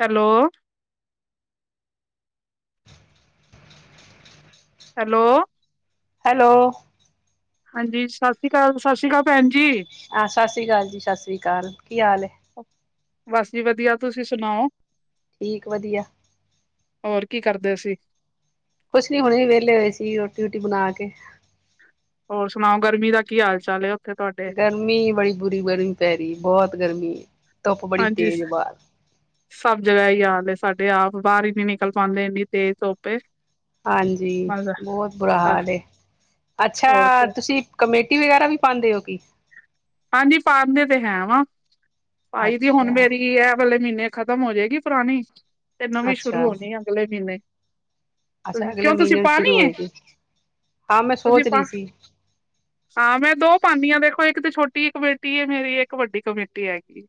Hello [inaudible] hello hello ਹਾਂਜੀ, ਸਾਸ੍ਰੀ ਕਾਲ, ਸਾਸੀ ਕਾਲ ਭੈਨ ਜੀ। ਆ, ਸਾਸ੍ਰੀ ਕਾਲ ਜੀ, ਸਾਸ੍ਰੀ ਕਾਲ ਕੀ ਹਾਲੈ ਐ? ਬਸ ਜੀ ਵਦੀਆ, ਤੁਸੀ ਸੁਨਾਓ? ਠੀਕ ਵਦੀਆ। ਹੋਰ ਕੀ ਕਰਦੇ ਸੀ? ਕੁਛ ਨੀ ਹੋਣੇ ਵੇਲੇ ਹੋਏ ਸੀ, ਰੋਟੀ-ਰੂਟੀ ਬਨਾ ਕੇ। ਹੋਰ ਸੁਨਾਓ ਗਰਮੀ ਦਾ ਕੀ ਹਾਲ-ਚਾਲ ਐ ਓਥੇ ਤੁਆਡੇ? ਮੀ ਬੜੀ ਬੁਰੀ ਗਰਮੀ ਪੈ ਰੀ ਬੋਹਤ ਗਰਮੀ ਏ, ਧੋੱਪ ਬੜੀ ਤੇਜ਼ ਏ ਬਾਰ। ਸਬ ਜਗਾ ਏਈ ਹਾਲ ਏ, ਸਾਡੇ ਆਪ ਬਾਰ ਈ ਨੀ ਨਿਕਲ ਪਾਂਦੇ ਏਨੀ ਤੇਜ਼ ਧੋਪ ਏ। ਹਾਂਜੀ, ਬੋਤ ਬੁਰਾ ਹਾਲ ਏ, ਅੱਛਾ ਹੋਰ ਤੇ ਤੁਸੀਂ ਕਮੇਟੀ ਵਗੈਰਾ ਵੀ ਪਾਂਦੇ ਓ ਕਿ? ਹਾਂਜੀ। ਪਾਂਦੇ ਤੇ ਹੈ ਵਾਂ, ਪਾਈ ਦੀ ਹੋਨ ਅੱਛਾ ਮੇਰੀ ਐ ਵਾਲੇ ਮ੍ਹੀਨੇ ਖ਼ਤਮ ਹੋ ਜੇਗੀ ਪੁਰਾਨੀ, ਤੇ ਨਵੀ ਅੱਛਾ ਸ਼ੁਰੂ ਹੋਨੀ ਏ ਅਗਲੇ ਮ੍ਹੀਨੇ। ਅੱਛਾ, ਅਗਲੇ ਮ੍ਹੀਨੇ ਨੂੰ ਸ਼ੁਰੂ ਹੈ ਹੋਏਗੀ, ਹਾਂ ਮੈਂ ਤੁਸੀਂ ਸੋਚ ਰੀ ਪਾ ਸੀ। ਹਾਂ ਮੈਂ ਦੋ ਪਾਂਨੀ ਆ, ਵੇਖੋ ਇੱਕ ਤੇ ਛੋਟੀ ਕਮੇਟੀ ਏ ਮੇਰੀ ਏਕ ਵੱਡੀ ਕਮੇਟੀ ਹੈਗੀ ਏ।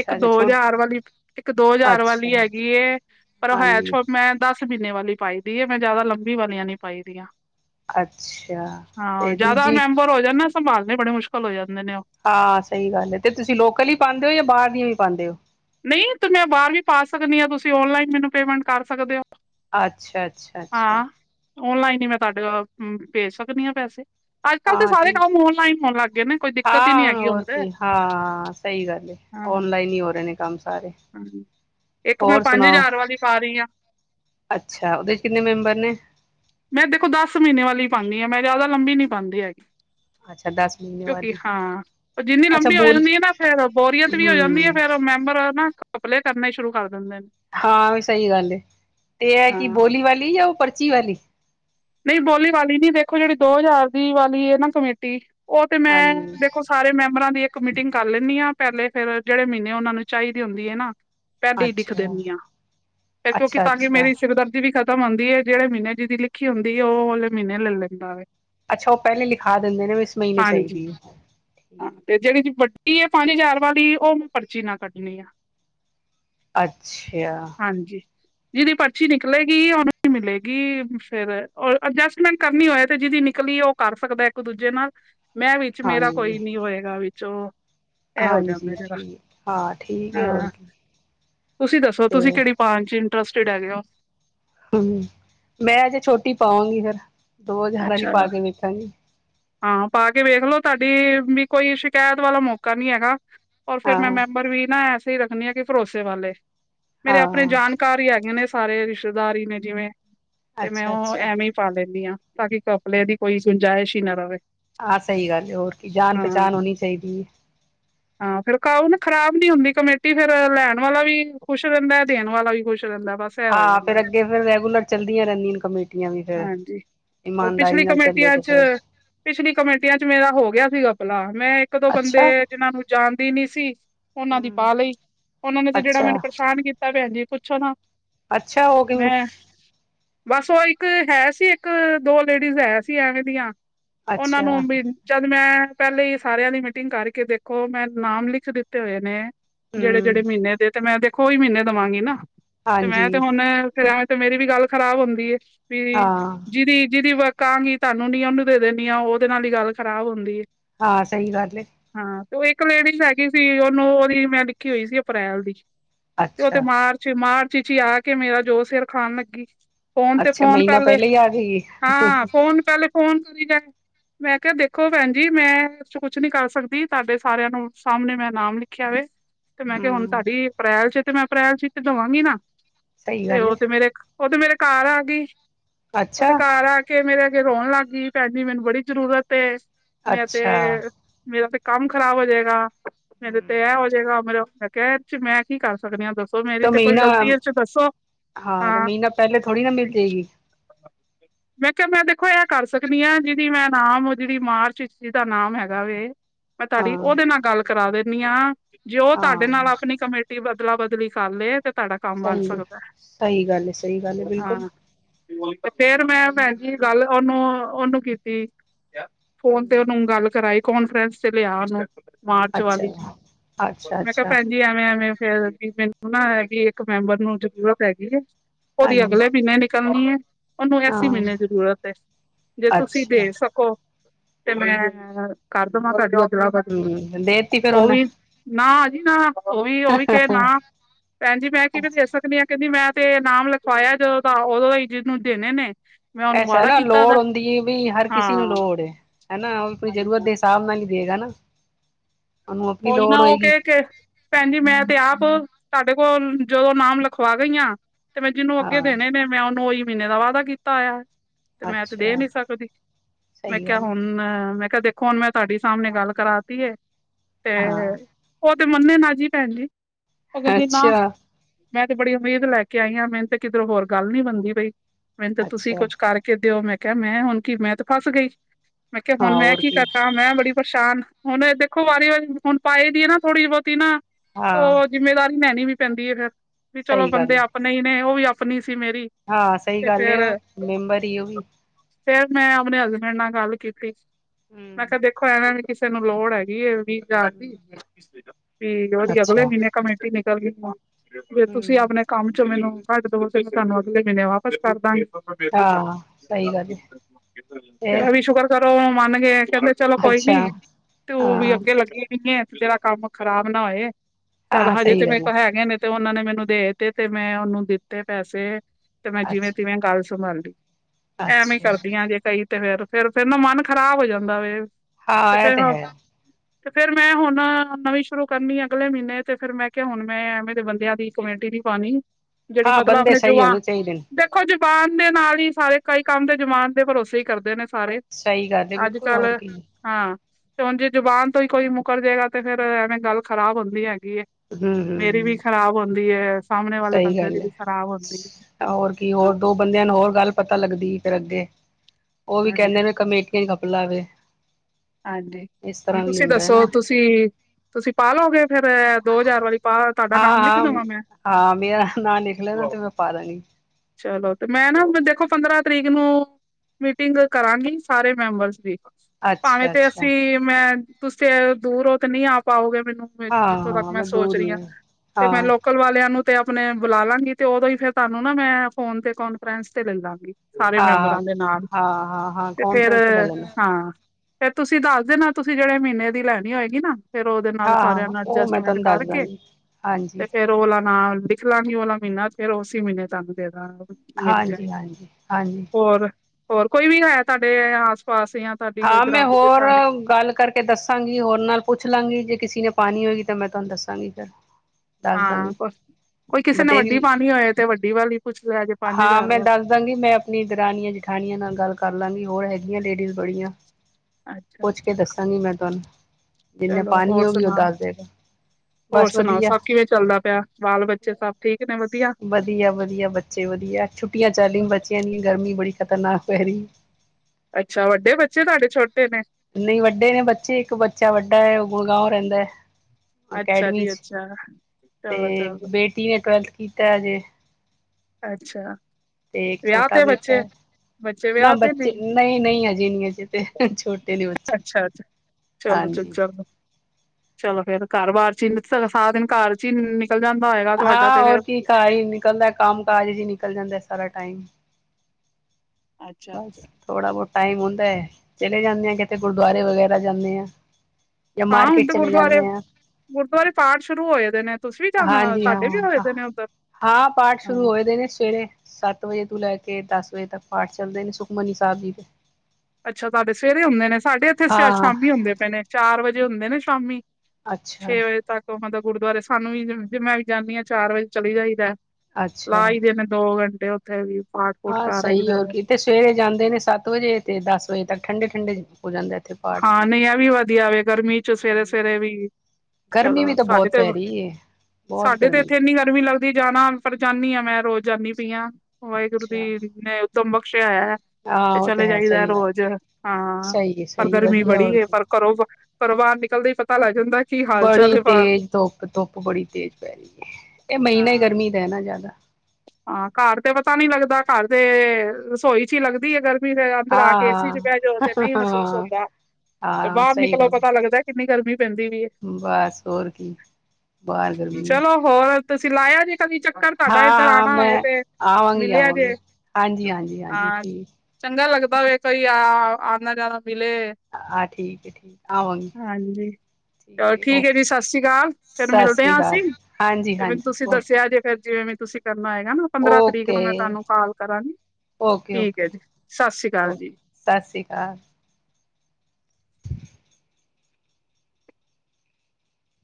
ਏਕ ਅੱਛਾ ਦੋ ਛੋ ਹਜਾਰ ਵਾਲੀ, ਇੱਕ ਦੋ ਹਜ਼ਾਰ ਅੱਛਾ ਵਾਲੀ ਹੈਗੀ ਏ, ਪਰ ਓ ਹੈ ਹਾਂਜੀ ਛੋ ਮੈਂ ਦਸ ਮ੍ਹੀਨੇ ਵਾਲੀ ਪਾਈ ਦੀ ਏ, ਮੈਂ ਜਾਦਾ ਲੰਬੀ ਵਾਲੀਆਂ ਨੀ ਪਾਈ ਦੀਆਂ। ਅੱਛਾ ਤੇ ਹਾਂ ਜਾਦਾ ਦੂਜੀ ਮੈਂਬਰ ਹੋ ਜਾਨ ਨਾ, ਸੰਭਾਲਨੇ ਬੜੇ ਮੁਸ਼ਕਲ ਹੋ ਜਾਂਦੇ ਨੇ ਓ। ਹਾਂ, ਸਈ ਗਾੱਲ ਐ, ਤੇ ਤੁਸੀਂ ਲੋਕਲ ਈ ਪਾਂਦੇ ਓ ਯਾ ਬਾਰ ਦੀਆਂ ਵੀ ਪਾਂਦੇ ਓ। ਨਈ ਤੂੰ ਮੈਂ ਬਾਰ ਵੀ ਪਾ ਸਕਨੀ ਆਂ, ਤੁਸੀਂ ਓਨਲਾਈਨ ਮੈਨੂੰ ਪੇਮਂਟ ਕਾਰ ਸਕਦੇ ਓ। ਆੱਛਾ-ਆੱਛਾ, ਆੱਛਾ। ਓਨਲਾਈਨ ਈ ਮੈਂ ਤੁਆਡੇ ਕੋਲੋ ਅ, ਭੇਜ ਸਕਨੀ ਆਂ ਪੈਸੇ। ਆਜ-ਕਾਲ ਤੇ ਹਾਂ ਸਾਰੇ ਠੀਕ ਕਾੰਮ ਓਨਲਾਈਨ ਹੋਨ ਲਾੱਗ ਗੇ ਨੇ, ਕੋਈ ਦਿੱਕਤ ਈ ਹਾਂ ਨੀ ਹੁਣ ਹੈਗੀ ਹੋਨ ਤੇ ਓਨਲਾਈਨ ਈ ਹੋ ਰੇ ਨੇ ਕਾੰਮ ਸਾਰੇ। ਏਕ ਮੈਂ ਹੋਰ ਪਾੰਜ ਸੁਣਾਓ ਹਜਾਰ ਵਾਲੀ ਪਾ ਰੀ ਆ। ਅੱਛਾ, ਓਦੇ ਚ ਕਿੰਨੇ ਮੈਂਬਰ ਨੇ? ਮੈਂ ਦੇਖੋ ਦਸ ਮ੍ਹੀਨੇ ਵਾਲੀ ਪਾਂਨੀ ਆ, ਮੈਂ ਜਾਦਾ ਲੰਬੀ ਨ ਪਾਂਦੀ ਹੈਗੀ। ਅੱਛਾ ਦਸ ਮਹੀਨੇ ਕੇਓ ਕਿ ਵਾਲੀ ਹਾਂ, ਓ ਜਿੰਨੀ ਅੱਛਾ ਲੰਬੀ ਹੋ ਬੋਲ ਜਾਂਦੀ ਏ ਨਾ ਫੇਰ ਬੋਰੀਅਤ ਵੀ ਹੋ ਜਾਂਦੀ ਏ ਹਮ ਫੇਰ ਮੈਂਬ ਬਰਾ ਨਾ ਘਪਲੇ ਕਾਰਨੇ ਸ਼ੁਰੂ ਕਾਰ ਦਿੰਦੇ ਨ। ਹਾਂ ਏ ਵੀ ਸਈ ਗਾੱਲ ਏ, ਤੇ ਐ ਕਿ ਹਾਂ ਬੋਲੀ ਵਾਲੀ ਯਾ ਪਰਚੀ ਵਾਲੀ? ਨਈ ਬੋਲੀ ਵਾਲੀ ਨੀ, ਦੇਖੋ ਜੇੜੀ ਦੋ ਹਜ਼ਾਰ ਦੀ ਵਾਲੀ ਏ ਨਾ ਕਮੇਟੀ ਓ ਤੇ ਮੈਂ ਹਾਂਜੀ ਦੇਖੋ ਸਾਰੇ ਮੈਂਬਰਾਂ ਦੀ ਇੱਕ ਮੀਟਿੰਗ ਕਾਰ ਲੈਨੀ ਆ ਪੈਲੇ, ਫੇਰ ਜੇੜੇ ਮ੍ਹੀਨੇ ਓਨਾਂ ਨੂੰ ਚਾਈਦੀ ਹੁੰਦੀ ਏ ਨਾ ਪੈਲੀ ਲਿਖ ਅੱਛਾ ਦੇਨੀ ਆ, ਫੇਰ ਕੇਓਕਿ ਅੱਛਾ ਤਾਂ ਕਿ ਅੱਛਾ ਮੇਰੀ ਸਿਰਦਰਦੀ ਵੀ ਖ ਤਮ ਹੋਂਦੀ ਏ, ਜੇੜੇ ਮ੍ਹੀਨੇ ਜੀ ਦੀ ਲਿਖੀ ਹੋਂਦੀ ਏ ਓ ਵਾਲੇ ਮ੍ਹੀਨੇ ਲੈ ਲੈਂਦਾ ਵੇ। ਅੱਛਾ, ਓ ਪੈਲੇ ਲਿਖਾ ਦਿੰਦੇ ਨੇ ਇਸ ਮਹੀਨੇ ਹਾਂਜੀ ਚਾਈਦੀ ਏ। ਹਾਂ, ਤੇ ਜੇੜੀ ਵੱਡੀ ਏ ਪਾੰਜ ਹਜਾਰ ਵਾਲੀ, ਓ ਮੈਂ ਪਰਚੀ ਨਾ ਕੱਡਨੀ ਆ। [inaudible] ਅੱਛਾ। ਹਾਂਜੀ। ਜਿਦੀ ਪਰਚੀ ਨਿਕਲੇਗੀ, ਓਨੂੰ ਈ ਮਿਲੇਗੀ ਫੇਰ ਓਰ ਅਡਜਸਟਮੈਂਟ ਕਰਨੀ ਹੋਏ ਤੇ ਜੀਦੀ ਨਿਕਲੀ ਏ, ਓ ਕਾਰ ਸਕਦਾ ਇੱਕ ਦੂਜੇ ਨਾਲ। ਮੇ ਵਿੱਚ ਮੇਰਾ ਕੋਈ ਹਾਂਜੀ ਨੀ ਹੋਏਗਾ ਵਿੱਚ ਓ। ਏ ਹੋ ਜਾਂਦਾ ਹਾਂਜੀ ਜਰਾ ਠੀਕ ਹਾਂ ਠੀਕ ਹੈ ਹੋਰ ਹਾਂ, ਕੀ ਤੁਸੀਂ ਦੱਸੋ ਤੇ ਤੁਸੀ ਕੇੜੀ ਪਾਣ ਚ ਇੰਟਰਸਟਿਡ ਹੈਗੇ ਹੋ। ਹੂੰ, ਮੈਂ ਅਜ਼ੇ ਛੋਟੀ ਪਾਵਾਂਗੀ ਫੇਰ, ਦੋ ਹਜ਼ਾਰ ਵਾਲੀ ਅੱਛਾ ਪਾ ਕੇ ਵੇਖਾਂਗੀ। ਹਾਂ, ਪਾ ਕੇ ਵੇਖਲੋ ਤੁਹਾਡੀ ਵੀ ਕੋਈ ਸ਼ਿਕਾਇਤ ਵਾਲਾ ਮੌਕਾ ਨੀ ਹੈਗਾ। ਔਰ ਫੇਰ ਮੈਂ ਹਾਂ ਮੈਂਬਰ ਵੀ ਨਾ ਐਸੇ ਹੀ ਰੱਖਣੀ ਆ ਕਿ ਭਰੋਸੇ ਵਾਲੇ ਮੇਰੇ ਅਪਣੇ ਹਾਂ ਜਾਣਕਾਰ ਹੀ ਹੈਗੇ ਨੇ ਸਾਰੇ ਰਿਸ਼ਤੇਦਾਰ ਹੀ ਨੇ ਜਿਵੇਂ ਤੇ ਮੈਂ ਅੱਛਾ ਉਹ ਅੱਛਾ ਐਵੇਂ ਹੀ ਪਾ ਲੈਂਣੀ ਹਾਂ। ਤਾਂਕੀ ਘਪਲੇ ਦੀ ਕੋਈ ਗੁੰਜਾਇਸ਼ ਹੀ ਨਾ ਰਵੇ। ਹਾਂ, ਸਹੀ ਗੱਲ ਏ ਹੋਰ ਕੀ ਹਾਂ ਜਾਣ-ਪਹਿਚਾਣ ਹੋਣੀ ਚਾਹੀਦੀ ਏ। [inaudible] ਹਾਂ, ਫੇਰ ਕਾ ਓ ਨਾ ਖਰਾਬ ਨੀ ਹੁੰਦੀ ਕਮੇਟੀ, ਫੇਰ ਲੈਣ ਵਾਲਾ ਵੀ ਖੁਸ਼ ਰਹਿੰਦਾ ਦੇਣ ਵਾਲਾ ਵੀ ਖੁਸ਼ ਰਹਿੰਦਾ ਬਸ ਇਹ ਹੋ ਹਾਂ, ਫੇਰ ਜਾਂਦਾ ਅੱਗੇ ਫੇਰ ਰੈਗੂਲਰ ਚੱਲਦੀਆਂ ਰਹਿੰਦੀਆਂ ਕਮੇਟੀਆਂ ਵੀ ਫੇਰ ਹਾਂਜੀ ਉਹ ਪਿਛਲੀ ਕਮੇਟੀਆਂ ਚ ਪਿਛਲੀ ਕਮੇਟੀਆਂ ਚ ਮੇਰਾ ਹੋ ਗਿਆ ਸੀ ਘਪਲਾ, ਮੈਂ ਇੱਕ ਦੋ ਬੰਦੇ ਅੱਛਾ ਜਿਨਾਂ ਨੂੰ ਜਾਣਦੀ ਨੀ ਸੀ ਉਹਨਾਂ ਦੀ ਹਮ ਪਾ ਲਈ, ਉਹਨਾਂ ਨੇ ਤੇ ਜਿਹੜਾ ਅੱਛਾ ਮੈਨੂੰ ਪਰੇਸ਼ਾਨ ਕੀਤਾ ਭੈਣ ਜੀ ਪੁੱਛੋ ਨਾ, ਅੱਛਾ ਉਹ ਕਿਵੇਂ ਮੈਂ ਬਸ ਉਹ ਇੱਕ ਹੈ ਸੀ ਇੱਕ ਦੋ ਲੇਡੀਜ਼ ਹੈ ਸੀ ਐਵੇਂ ਦੀਆਂ ਉਹਨਾਂ ਅੱਛਾ ਨੂੰ ਜਦ ਮੈਂ ਪਹਿਲੇ ਹੀ ਸਾਰਿਆਂ ਦੀ ਮੀਟਿੰਗ ਕਰਕੇ ਦੇਖੋ ਮੈਂ ਨਾਮ ਲਿਖ ਦਿੱਤੇ ਹੋਏ ਨੇ ਹਮ ਜਿਹੜੇ-ਜਿਹੜੇ ਮਹੀਨੇ ਦੇ ਤੇ ਮੈਂ ਦੇਖੋ ਓਹੀ ਮਹੀਨੇ ਦੇਵਾਂਗੀ ਨਾ, ਤੇ ਮੈਂ ਹਾਂਜੀ ਤੇ ਹੁਣ ਫੇਰ ਤੇ ਮੇਰੀ ਵੀ ਗੱਲ ਖ਼ਰਾਬ ਹੁੰਦੀ ਏ ਵੀ ਹਾਂ ਜਿਹਦੀ, ਜਿਹਦੀ ਕਹਾਂ ਗੀ ਤੁਹਾਨੂੰ ਨੀ ਉਹਨੂੰ ਦੇ ਦਿੰਦੀ ਆ, ਉਹਦੇ ਨਾਲ ਹੀ ਗੱਲ ਖਰਾਬ ਹੁੰਦੀ ਏ। ਹਾਂ, ਸਹੀ ਗੱਲ ਏ। ਹਾਂ, ਤੇ ਉਹ ਇੱਕ ਲੇਡੀਜ਼ ਹੈਗੀ ਸੀ, ਉਹਨੂੰ ਉਹਦੀ ਮੈਂ ਲਿਖੀ ਹੋਈ ਸੀ ਅਪ੍ਰੈਲ ਦੀ ਤੇ ਉਹ ਤੇ ਅੱਛਾ ਮਾਰਚ, ਮਾਰਚ ਵਿਚ ਹੀ ਆ ਕੇ ਮੇਰਾ ਜੋ ਸਿਰ ਖਾਣ ਲੱਗੀ ਫੋਨ ਤੇ ਅੱਛਾ ਫੋਨ ਮਹੀਨਾ ਪਹਿਲੇ [unintelligible] ਹਾਂ, ਫੋਨ ਪਹਿਲੇ ਫੋਨ ਕਰੀ ਜਾਏ ਮੈਂ ਕਿਹਾ ਦੇਖੋ ਭੈਣ ਜੀ ਮੈਂ ਕੁਛ ਨੀ ਕਰ ਸਕਦੀ ਤੁਹਾਡੇ ਸਾਰਿਆਂ ਨੂੰ ਸਾਹਮਣੇ ਮੈਂ ਨਾਮ ਲਿਖਿਆ ਵੇ ਤੇ ਮੈਂ ਕਿਹਾ ਹੁਣ ਹਮ ਤੁਹਾਡੀ ਅਪ੍ਰੈਲ ਚ ਤੇ ਮੈਂ ਅਪ੍ਰੈਲ ਚ ਤੇ ਦਵਾਂਗੀ ਨਾ, ਸਹੀ ਤੇ ਗੱਲ ਉਹ ਹੈ ਤੇ ਮੇਰੇ ਉਹ ਤੇ ਮੇਰੇ ਕਾਰ ਆ ਗਈ ਉਹ ਅੱਛਾ ਤੇ ਕਾਰ ਆ ਕੇ ਮੇਰੇ ਅੱਗੇ ਰੋਣ ਲੱਗ ਗਈ ਭੈਣ ਜੀ ਮੈਨੂੰ ਬੜੀ ਜ਼ਰੂਰਤ ਏ ਮੈਂ ਤੇ ਅੱਛਾ ਮੇਰਾ ਤੇ ਕੰਮ ਖ਼ਰਾਬ ਹੋ ਜਾਏਗਾ ਮਰੇ ਤੇ ਇਹ ਹਮ ਹੋ ਜਾਏਗਾ ਮਰੇ [unintelligible] ਮੈਂ ਕੀ ਕਰ ਸਕਣੀ ਆਂ, ਦੱਸੋ ਮੇਰੀ ਤਾਂ ਤੇ ਕੋਈ ਮਹੀਨਾ ਗ਼ਲਤੀ ਐ ਚ ਦੱਸੋ ਤਾਂ ਹਾਂ ਮਹੀਨਾ ਪਹਿਲੇ ਥੋੜੀ ਨਾ ਮਿਲ ਜੇਗੀ ਮੈਂ ਕਿਹਾ ਮੈਂ ਦੇਖੋ ਇਹ ਕਰ ਸਕਦੀ ਆ ਜਿਹਦੀ ਮੈਂ ਨਾਮ ਜਿਹੜੀ ਮਾਰਚ ਜੀ ਦਾ ਨਾਮ ਹੈਗਾ ਵੇ ਮੈਂ ਤੁਹਾਡੀ ਹਾਂ ਉਹਦੇ ਨਾਲ ਗੱਲ ਕਰਾ ਦੇਣੀ ਆਂ, ਜੇ ਉਹ ਤੁਹਾਡੇ ਨਾਲ ਹਾਂ ਆਪਣੀ ਕਮੇਟੀ ਟੀ ਬਦਲਾ ਬਦਲੀ ਕਰ ਲਏ ਤੇ ਤੁਹਾਡਾ ਕੰਮ ਬਣ ਸਹੀ ਹੈ ਸਕਦਾ, ਸਹੀ ਗੱਲ ਹੈ ਸਹੀ ਗੱਲ ਹੈ ਬਿਲਕੁਲ ਹਾਂ। ਫੇਰ ਮੈਂ ਭੈਣ ਜੀ ਗੱਲ ਉਹਨੂੰ-ਉਹਨੂੰ ਕੀਤੀ ਫੋਨ ਤੇ ਉਹਨੂੰ ਗੱਲ ਕਰਾਈ, ਕਾਨਫਰੰਸ ਚ ਲਿਆ ਉਹਨੂੰ ਮਾਰਚ ਅੱਛਾ ਵਾਲੀ, ਅੱਛਾ ਮੈਂ ਕਿਹਾ ਅੱਛਾ ਭੈਣ ਜੀ ਐਵੇਂ-ਐਵੇਂ ਫੇਰ ਮੈਨੂੰ ਨਾ ਹੈਗੀ ਇੱਕ ਮੈਂਬਰ ਨੂੰ ਜਰੂਰਤ ਹੈਗੀ ਏ, ਉਹਦੀ ਹਾਂਜੀ ਅਗਲੇ ਮਹੀਨੇ ਨਿਕਲਣੀ ਏ ਉਹਨੂੰ ਐਸੀ ਹਾਂ ਮਹੀਨੇ ਜ਼ਰੂਰਤ ਏ, ਜੇ ਤੁਸੀਂ ਅੱਛਾ ਦੇ ਸਕੋ ਤੇ ਮੈਂ ਕਰ ਦੇਵਾਂ ਤੁਹਾਡੀ ਅਦਲਾ-ਬਦਲੀ, ਹਮ ਦੇਤੀ ਫਿਰ ਉਹ ਉਹਨੇ ਵੀ ਨਾ ਜੀ ਨਾ ਉਹ ਵੀ, ਉਹ ਵੀ ਕਹੇ ਨਾ ਭੈਣਜੀ ਮੈਂ ਕਿਵੇਂ ਦੇ ਸਕਨੀ ਆ ਕਹਿੰਦੀ ਮੈਂ ਤੇ ਨਾਮ ਲਿਖਵਾਇਆ ਜਦੋਂ ਤਾਂ ਉਦੋਂ ਹੀ ਜਿਹਨੂੰ ਦੇਣੇ ਨੇ ਮੈਂ ਉਹਨੂੰ ਐਸਾ ਵਾਅਦਾ ਨਾ ਕੀਤਾ ਲੋੜ ਦਾ ਹੁੰਦੀ ਵੀ ਹਰ ਕਿਸੇ ਨੂੰ ਹਾਂ ਲੋੜ ਏ ਹੇਣਾ, ਉਹ ਆਪਣੀ ਜ਼ਰੂਰਤ ਹਾਂਜੀ ਦੇ ਹਿਸਾਬ ਨਾਲ ਹੀ ਦੇ ਗਾ ਨਾ ਉਹਨੂੰ ਆਪਣੀ ਔਈ ਨਾ ਲੋੜ ਉਹ ਹੋਏਗੀ ਕੇ-ਕੇ ਭੈਣ ਜੀ ਮੈਂ ਤੇ ਆਪ ਤੁਹਾਡੇ ਕੋਲ ਜੌ ਨਾਮ ਲਿਖਵਾ ਗਈਆ ਤੇ ਮੈਂ ਜਿਹਨੂੰ ਅੱਗੇ ਹਾਂ ਦੇਣੇ ਨੇ ਮੈਂ ਉਹਨੂੰ ਉਹੀ ਮਹੀਨੇ ਦਾ ਵਾਅਦਾ ਕੀਤਾ ਆਇਆ ਤੇ ਮੈਂ ਤੇ ਦੇ ਅੱਛਾ ਨੀ ਸਕਦੀ ਮੈਂ ਸਹੀ ਕਿਆ ਗੱਲ ਹੁਣ ਮੈਂ, ਮੈਂ ਕਿਆ ਦੇਖੋ ਹੁਣ ਮੈਂ ਤੁਆਡੀ ਸਾਮਣੇ ਗੱਲ ਕਰਾ ਤੀ ਏ ਤੇ ਹਾਂ ਔ ਤੇ ਮੰਨੇ ਨਾ ਜੀ ਭੈਣ ਜੀ, ਔ ਕੈਂਦੀ ਨਾ ਅੱਛਾ, ਮੈਂ ਤੇ ਬੜੀ ਉਮੀਦ ਲੇ ਕੇ ਆਈ ਆਂ। ਮੈਨ ਤੇ ਕਿਧਰੋਂ ਹੋਰ ਗੱਲ ਨੀ ਬਣਦੀ ਪਈ। ਮੈਨ ਤੇ ਤੁਸੀ ਈ ਅੱਛਾ ਕੁਛ ਕਰ ਕੇ ਦਿਔ। ਮੈਂ ਕਿਆ ਮੈਂ ਹੁਣ ਕੀ ਮੈਂ ਤੇ ਫਸ ਗਈ। ਮੈਂ ਕਿਆ ਹਾਂ ਹੁਣ ਮੈਂ ਹੋਰ ਕੀ ਕਰਾਂ ਮੈਂ ਬੜੀ ਪਰੇਸ਼ਾਨ। ਹੁਣ ਐ ਦੇਖੋ ਵਾਰੀ-ਵਾਰੀ ਹੁਣ ਪਾਏ ਦੀ ਐ ਨਾ ਥੋੜ੍ਹੀ ਬੋਤੀ ਨਾ ਹਾਂ। ਉਹ ਜਿੰਮੇਦਾਰੀ ਲੈਣੀ ਵੀ ਪੈਂਦੀ ਏ ਫੇਰ ਵੀ ਚਲੋ ਸਹੀ ਗੱਲ ਬੰਦੇ ਏ। ਆਪਣੇ ਈ ਨੇ ਔ ਵੀ ਆਪਣੀ ਸੀ ਮੇਰੀ ਹਾਂ ਸਈ ਤੇ ਗੱਲ ਏ ਫੇਰ ਔ ਮੈਂਬਰ ਈ ਏ ਔ ਵੀ ਫੇਰ ਮੈਂ ਆਪਣੇ ਹਸਬੈਂਡ ਨਾਲ ਗੱਲ ਕੀਤੀ ਮੈਂ ਹੂੰ, ਕਿਆ ਦੇ ਖੋ ਐਂਵੇਂ ਐਂਵੇ ਕਿਸੇ ਨੂੰ ਲੋੜ ਹੈਗੀ ਏ ਓਦੀ ਹੂੰ। [unintelligible] ਔਦੀ ਅਗਲੇ ਅੱਛਾ, ਮੀਨੇ ਕਮੇਟੀ ਨਿਕਲ ਗਈ। ਵੇ ਤੁਸੀ ਹੂੰ ਆਪਣੇ ਕੰਮ ਚੋ ਮੈਨੂੰ ਕੱਢ ਦੋ ਤੇ ਤਾਨੂੰ ਅਗਲੇ ਮਹੀਨੇ ਵਾਪਸ ਕਰਦਾਂਗੀ। ਹਾਂ ਸਹੀ ਗੱਲ ਏ ਫੇਰ ਐਵੀ ਸ਼ੁਕਰ ਕਰੋ ਔ ਮੰਨ ਗੇ ਕੈਂਦੇ ਚਲੋ ਕੋਈ ਨੀ ਅੱਛਾ ਤੂੰ ਵੀ ਹਾਂ, ਅੱਗੇ ਲੱ ਗੀ ਦੀ ਏ ਤੇਰਾ ਕੰਮ ਖ਼ਰਾਬ ਨਾ ਹੋਏ, ਚੱਲ ਹਾਂ ਹਜੇ ਸਹੀ ਤੇ ਮੇਰੇ ਗੱਲ ਏ ਕੋ ਹੈਗੇ ਨੇ ਤੇ ਔਨਾਂ ਨੇ ਮੈਨੂੰ ਦੇ ਤੇ, ਤੇ ਮੈਂ ਔਨੂੰ ਦਿੱਤੇ ਪੈਸੇ ਤੇ ਮੈਂ ਜਿਵੇਂ ਅੱਛਾ, ਤਿਵੇਂ ਗੱਲ ਸੰਭਾਲੀ। ਐਵੇਂ ਅੱਛਾ। ਕਰਦੀ ਆ ਜੇ ਕਈ ਤੇ ਫੇਰ, ਫੇਰ, ਫੇਰ ਨਾ ਮਨ ਖ਼ਰਾਬ ਹੋ ਜਾਂਦਾ ਵੇ। ਹਾਂ ਐ ਤੇ ਹੈ। ਤੇ ਫੇਰ ਮੈਂ ਹੁਣ ਨਵੀਂ ਸ਼ੁਰੂ ਕਰਨੀ ਏ ਅਗਲੇ ਮੀਨੇ ਤੇ ਫੇਰ ਮੈਂ ਕਿਆ ਹੁਣ ਮੈਂ ਐਵੇਂ ਦੇ ਬੰਦਿਆਂ ਦੀ ਕਮੇਟੀ ਨੀ ਪਾਨੀ ਜੇੜੀ ਹਾਂ ਮਤਲਬ ਬੰਦੇ ਆਪਣੇ ਸਹੀ ਜੁਵਾ ਹੋਣੇ ਚਾਹੀਦੇ ਨੇ ਦੇ ਖੋ ਜਬਾਨ ਦੇ ਨਾਲ ਈ ਸਾਰੇ ਕਈ ਕੰਮ ਤੇ ਜਬਾਨ ਦੇ ਭਰੋਸੇ ਈ ਕਰਦੇ ਨੇ ਸਾਰੇ ਸਹੀ ਗੱਲ ਏ ਅੱਜ ਬਿਲਕੁਲ ਹੋਰ ਕੱਲ। ਕੀ ਹੂੰ, ਹਾਂ ਤੇ ਹੁਣ ਜੇ ਜੁਬਾਨ ਤੋਂ ਈ ਕੋਈ ਮੁਕਰ ਜਾਏਗਾ ਤੇ ਫੇਰ ਐਵੇਂ ਗੱਲ ਖ਼ਰਾਬ ਹੁੰਦੀ ਹੈਗੀ ਏ। ਮੇਰੀ ਵੀ ਹੂੰ ਖ਼ਰਾਬ ਹੁੰਦੀ ਏ, ਸਾਹਮਣੇ ਵਾਲੇ ਬੰਦੇ ਦੀ ਵੀ ਖ਼ਰਾਬ ਹੁੰਦੀ ਏ। ਆਂ ਹੋਰ ਕੀ ਹੋਰ ਦੋ ਬੰ ਦਿਆਂ ਨੂੰ ਹੋਰ ਗੱਲ ਪਤਾ ਲੱਗਦੀ ਫਿਰ ਅੱਗੇ। ਔ ਵੀ ਹਾਂਜੀ ਕੈਂਦੇ ਨੇ ਕਮੇਟੀਆਂ 'ਚ ਘਪਲਾ ਵੇ। ਹਾਂਜੀ, ਇਸ ਹੁਨ ਤਰ੍ਹਾਂ ਵੀ ਤੁਸੀ ਹੁੰਦਾ ਹੈ ਦੱਸੋ ਨਾ ਤੁਸੀ ਤੁਸੀ ਪਾ ਲੋਗੇ ਅਪਣੇ ਦੋ ਹਜ਼ਾਰ ਵਾਲੀ ਪਾ, ਤੁਆਡਾ ਹਾਂ ਨਾਮ ਲਿਖ ਹਾਂ ਲਵਾਂ ਮੈਂ? ਹਾਂ ਮੇਰਾ ਨਾਂ ਲਿਖ ਲੈਣਾ ਤੇ ਮੈਂ ਪਾ ਦਾਂਗੀ ਚਲੋ ਤੇ ਮੈਂ ਨਾ ਪ ਦੇਖੋ ਪੰਦਰਾਂ ਤਰੀਕ ਨੂੰ ਮੀਟਿੰਗ ਕਰਾਂਗੀ ਸਾਰੇ ਮੈਂਬਰਸ ਦੀ। ਭਾਵੇਂ ਅੱਛਾ ਤੇ ਅੱਛਾ ਅਸੀ ਮੈਂ, ਤੁਸੀ ਤੇ ਦੂਰ ਔ ਤੇ ਨਈ ਆ ਪਾਔਗੇ ਮੈਨੂੰ ਮੇਨੂ ਹਾਂ ਜਿੱਥੋਂ ਤੱਕ ਹਾਂ ਮੈਂ ਸੋਚ ਦੂਰ ਰਈ ਹੀ ਆਂ ਹਾਂ ਤੇ ਮੈਂ ਹਾਂ ਲੋ ਕਲ ਵਾਲਿਆਂ ਨੂੰ ਤੇ ਅਪਣੇ ਬੁਲਾ ਲਾਂਗੀ ਤੇ ਔਦੋਂ ਈ ਫੇਰ ਤਾਨੂੰ ਨਾ ਮੈਂ ਫੋਨ ਤੇ ਕੋਨਫਰੈਂਸ ਤੇ ਲੱਲਾਂਗੀ। ਸਾਰੇ ਹਾਂ ਹਾਂ ਮੈਂਬਰਾਂ ਦੇ ਨਾਲ ਹਾਂ ਹਾਂ ਹਾਂ ਤੇ ਫੇਰ ਕਾਨਫਰੰਸ ਲੈ ਲੈਣਾ ਹਾਂ ਫੇਰ ਤੁਸੀ ਦੱਸ ਦੇਨਾ ਤੁਸੀ ਜੜੇ ਮੀਨੇ ਦੀ ਲੈਣੀ ਹੋਏਗੀ ਨਾ ਫੇਰ ਔਦੇ ਹਾਂ ਨਾਲ, ਸਾਰਿਆਂ ਹਾਂ ਨਾਲ ਉਹ ਮੈਂ ਐਡਜੇਸਟਮੈਂਟ ਤੁਹਾਨੂੰ ਦੱਸ ਕਰਕੇ ਦਾਂਗੀ ਹਾਂਜੀ ਤੇ ਫੇਰ ਔਲਾ ਨਾਂ ਲਿਖ ਲਾਂਗੀ ਔਲਾ ਮੀਨਾ ਫੇਰ ਔਸੀ ਮੀਨੇ ਤੁਆਨੂੰ ਦੇ ਦਾਂ ਮਿਲ ਜਾਏਗੀ। ਹਾਂਜੀ ਹਾਂਜੀ ਹਾਂਜੀ ਹੋਰ, ਹੋਰ ਕੋਈ ਵੀ ਹੈ ਤਾਡੇ ਆਸ ਪਾਸ ਯਾਂ ਹਾਂ ਮੈਂ ਹੋਰ ਗੱਲ ਕਰ ਕੇ ਦੱਸਾਂਗੀ ਹੋਰ ਨਾਲ ਪੁੱਛ ਲਾਂਗੀ ਜੇ ਕਿਸੀ ਨੇ ਪਾਨੀ ਹੋਏਗੀ ਤਾਂ ਮੈਂ ਤੁਆਨੂੰ ਦੱਸਾਂਗੀ ਫੇਰ। ਹਾਂ, ਕੋਈ ਕਿਸੇ ਨੇ ਵੱਡੀ ਬਥੇਰੀ ਪਾਨੀ ਹੋਏ ਤੇ ਵੱਡੀ ਵਾਲੀ ਵੀ ਪੁੱਛ ਲਿਆ ਜੇ। ਪੰਜ ਹਾਂ ਹਜ਼ਾਰ ਮੈਂ ਵਾਲੀ ਦਸ ਦਾਂਗੀ ਮੈਂ ਅਪਣੀ ਦਰਾਨੀਆਂ ਜਠਾਨੀਆਂ ਨਾਲ ਗੱਲ ਕਰ ਲਾਂਗੀ ਹੋਰ ਹੈਗੀਐਂ ਲੇਡੀਜ਼ ਬੜੀਆਂ। ਅੱਛਾ ਪੁੱਛ ਕੇ ਅੱਛਾ ਦੱਸਾਂਗੀ ਮੈਂ ਤੁਆਨੂੰ ਜਿੰਨੇ ਚਲੋ ਪਾਨੀ ਹੋਰ ਔਵੀ ਔ ਸੁਣਾਓ ਦੱਸ ਦੇਗਾ। ਹੋਰ ਬਸ ਸੁਣਾਔ ਵਧੀਆ ਸਭ ਕਿਵੇਂ ਚੱਲਦਾ ਪਿਐ, ਬਾਲ-ਬੱਚੇ ਸਭ ਠੀਕ ਨੇ, ਵਧੀਆ? ਵਧੀਆ, ਵਧੀਆ ਬੱਚੇ ਵਧੀਆ। ਛੁੱਟੀਆਂ ਚੱਲ ਰੀ ਬੱਚਿਆਂ ਦੀ ਗਰਮੀ ਬੜੀ ਖਤਰਨਾਕ ਪੈ ਰਹੀ ਅੱਛਾ, ਵੱਡੇ ਬੱਚੇ ਤੁਆਡੇ ਛੋਟੇ ਨੇ? ਨਈ ਵੱਡੇ ਨੇ ਬੱਚੇ। ਇੱਕ ਬੱਚਾ ਵੱਡਾ ਐ ਔ ਗੁੜਗਾਉ ਰੈਂਦੈ ਅੱਛਾ ਅਕੈਡਮੀ ਜੀ 'ਚ ਅੱਛਾ ਤੇ ਚਲੋ ਚਲੋ ਬੇਟੀ ਨੇ ਟਵੈਲਥ ਕੀਤੈ ਹਜੇ। ਅੱਛਾ, ਤੇ ਇੱਕ ਵਿਆਹ ਛੋਟਾ ਤੇ ਬੇਟਾ ਬੱਚੇ? ਹੈ ਬੱਚੇ ਨਾ ਵਿਆਹ ਤੇ ਬੱਚੇ ਨਹੀਂ? ਨਹੀਂ- ਨਹੀਂ, ਅਜੇ ਨਹੀਂ ਅਜੇ ਤੇ ਛੋਟੇ, ਨੇ ਬੱਚੇ ਅੱਛਾ -ਅੱਛਾ, ਚੱਲੋ ਚ ਹਾਂਜੀ ਚੱਲੋ। ਚਲੋ ਫੇਰ, ਘਰ ਵਾਰ [unintelligible] [unintelligible] ਹਾਂ, ਹੋਰ ਕੀ, ਘਾਰ ਹੀ ਨਿਕਲਦਾ, ਕੰਮ ਕਾਜ ਚ ਹੀ ਨਿਕਲ ਜਾਂਦਾ ਸਾਰਾ ਟਾਈਮ। ਅੱਛਾ ਅੱਛਾ ਬਸ, ਥੋੜ੍ਹਾ ਬਹੁਤ ਟਾਈਮ ਹੁੰਦਾ ਹੈ, ਚਲੇ ਜਾਂਦੇ ਆ, ਕਿਤੇ ਗੁਰਦੁਆਰੇ ਵਗੈਰਾ ਜਾਂਦੇ ਆ। ਜਾਂ,, ਹਾਂ ਹੁਣ ਮਾਰਕੀਟ ਤੇ ਚਲੇ ਗੁਰਦੁਆਰੇ ਜਾਂਦੇ ਆ। ਗੁਰਦੁਆਰੇ ਪਾਠ ਸ਼ੁਰੂ ਹੋਏ ਦੇ ਨੇ, ਤੁਸੀਂ ਵੀ ਜਾਣਾ, ਹਾਂਜੀ ਹਾਂ ਸਾਡੇ ਵੀ ਹੋਏ ਪਏ ਨੇ ਉੱਧਰ? ਹਾਂ, ਪਾਠ ਸ਼ੁਰੂ ਹਾਂ ਹੋਏ ਦੇ ਨੇ, ਸਵੇਰੇ। ਸੱਤ ਵਜੇ, ਤੋਂ ਲੈ ਕੇ ਦੱਸ ਵਜੇ ਤੱਕ, ਪਾਠ ਚੱਲਦੇ ਨੇ, ਸੁਖਮਨੀ ਸਾਹਿਬ ਜੀ ਦੇ। ਅੱਛਾ, ਤੁਹਾਡੇ ਸਵੇਰੇ ਹੁੰਦੇ ਨੇ, ਸਾਡੇ ਇੱਥੇ ਹਾਂ ਸ਼ਾਮੀ ਹੁੰਦੇ ਪਏ ਨੇ, ਚਾਰ ਵਜੇ ਹੁੰਦੇ ਨੇ ਸ਼ਾਮੀ। ਅੱਛਾ ਛੇ ਵਜੇ ਤੱਕ, ਮਤਲਬ ਗੁਰਦੁਆਰੇ ਸਾਨੂੰ ਵੀ, ਜਿਵੇਂ ਵੀ ਜਾਂਦੀ ਹਾਂ, ਚਾਰ ਵਜੇ ਚਲੀ ਜਾਈਦਾ। ਲਾ, ਅੱਛਾ ਹੀ ਦੇਨੇ ਨ, ਦੋ ਘੰਟੇ ਉੱਥੇ ਵੀ ਪਾਠ। ਪੂਠ ਹਾਂ, ਕਰ ਸਹੀ ਹੈ ਆਈਦਾ ਹੋਰ ਕੀ, ਤੇ ਸਵੇਰੇ ਜਾਂਦੇ ਨੇ ਸੱਤ ਵਜੇ, ਤੇ ਦੱਸ ਵਜੇ ਤੱਕ, ਠੰਡੇ -ਠੰਡੇ ਚ ਹੋ ਜਾਂਦੇ। ਹਾਂ ਨਹੀਂ, ਆ ਵੀ ਵਧੀਆ ਵੇ ਗਰਮੀ ਚ ਸਵੇਰੇ -ਸਵੇਰੇ ਵੀ। ਚਲੋ, ਗਰਮੀ ਵੀ ਤਾਂ ਸਾਡੇ ਬਹੁਤ ਤੇ ਪੈ ਰਹੀ ਹੈ ਬਹੁਤ ਸਾਡੇ ਤੇ, ਗਰਮੀ ਇੱਥੇ ਇੰਨੀ ਗਰਮੀ ਲੱਗਦੀ ਦੀ, ਜਾਣਾ, ਫਿਰ ਜਾਂਨੀ ਹਾਂ, ਮੈਂ ਰੋਜ਼ ਜਾਂਨੀ ਪਈ ਹਾਂ, ਵਾਹਿਗੁਰੂ ਅੱਛਾ ਦੀ ਨੇ, ਉਦਮ ਬਖਸ਼ਿਆ ਹੋਇਆ। ਹਾਂ ਤੇ, ਉਹ ਤਾਂ ਚਲੇ ਹੈ ਜਾਈਦਾ ਸਹੀ ਗੱਲ ਰੋਜ਼, ਹਾਂ। ਸਹੀ ਹੈ ਪਰ ਸਹੀ ਗਰਮੀ ਵਧੀਆ ਬੜੀ ਹੋਰ ਹੈ, ਕੀ ਪਰ ਘਰੋਂ, ਘਰੋਂ ਬਾਹਰ ਨਿਕਲਦੇ ਹੀ ਪਤਾ ਲੱਗ ਜਾਂਦਾ। ਕੀ ਹਾਲ ਚਾਲ ਬੜੀ ਹੈ ਬਾਹਰ ਤੇਜ਼ ਧੁੱਪ, ਧੁੱਪ ਬੜੀ ਤੇਜ਼ ਪੈ ਰਹੀ ਹੈ, ਇਹ ਮਹੀਨਾ ਹੀ ਹਾਂ ਗਰਮੀ ਦਾ ਨਾ ਜ਼ਿਆਦਾ। ਹਾਂ, ਘਰ ਤੇ ਪਤਾ ਨੀ ਲੱਗਦਾ, ਘਰ ਤੇ ਰਸੋਈ ਚ ਹੀ ਲੱਗਦੀ, ਅਗਰ ਗਰਮੀ, ਤੇ ਅੰਦਰ ਆ ਕੇ ਏਸੀ ਹਾਂ ਚ, ਬਹਿ ਜਾਓ ਤੇ ਹਾਂ ਨਹੀਂ ਮਹਿਸੂਸ ਹਾਂ ਹੁੰਦਾ, ਤੇ ਹਾਂ ਬਾਹਰ ਸਹੀ ਨਿਕਲੋ ਗੱਲ ਪਤਾ ਲੱਗਦਾ। ਕਿੰਨੀ, ਗਰਮੀ ਪੈਂਦੀ ਪਈ ਹੈ। ਬਸ ਹੋਰ ਕੀ, ਬਾਹਰ ਗਰਮੀ ਹੈ। ਚਲੋ ਹੋਰ, ਤੁਸੀਂ ਲਾਇਆ ਜੇ ਕਦੇ ਚੱਕਰ। ਤੁਹਾਡਾ ਇੱਧਰ ਹਾਂ-ਹਾਂ, ਆਣਾ ਹੋਏ ਮੈਂ ਤੇ ਆਵਾਂਗੀ- ਮਿਲਿਆ ਜੇ ਆਵਾਂਗੀ, ਹਾਂਜੀ -ਹਾਂਜੀ, ਹਾਂਜੀ ਹਾਂ ਠੀਕ। ਚੰਗਾ ਲੱਗਦਾ ਵੇ, ਕੋਈ ਆ, ਆਉਂਦਾ ਜਾਂਦਾ ਮਿਲੇ। ਆਹ, ਠੀਕ ਹੈ, ਠੀਕ ਆਵਾਂਗੀ। ਹਾਂਜੀ। ਚਲੋ ਠੀਕ ਹੈ ਜੀ, ਸਤਿ ਸ੍ਰੀ ਅਕਾਲ ਫੇਰ ਸਤਿ ਮਿਲਦੇ ਸ਼੍ਰੀ ਹਾਂ ਅਕਾਲ ਅਸੀਂ, ਹਾਂਜੀ ਤੇ ਮੈਨੂੰ ਹਾਂਜੀ ਤੁਸੀਂ ਓਕੇ ਦੱਸਿਆ ਜੇ ਫੇਰ। ਜਿਵੇਂ ਵੀ, ਤੁਸੀਂ ਕਰਨਾ ਹੈਗਾ ਨਾ। ਪੰਦਰਾਂ ਤਰੀਕ ਨੂੰ, ਮੈਂ ਓਕੇ ਤੁਹਾਨੂੰ ਕਾਲ ਕਰਾਂਗੀ, ਓਕੇ ਠੀਕ ਹੈ ਓਕੇ ਜੀ, ਸਤਿ ਸ਼੍ਰੀ ਅਕਾਲ ਜੀ। ਓਕੇ ਸਤਿ ਸ੍ਰੀ ਅਕਾਲ।